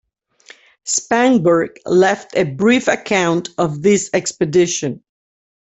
Spangberg left a brief account of this expedition.